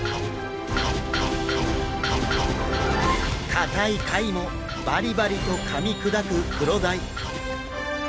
硬い貝もバリバリとかみ砕くクロダイ。